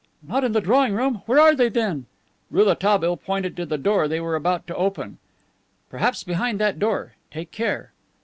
"Not in the drawing room! Where are they, then?" Rouletabille pointed to the door they were about to open. "Perhaps behind that door. Take care!"